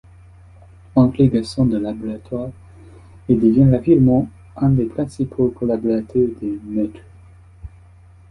Entré garçon de laboratoire, il devient rapidement un des principaux collaborateurs du maître.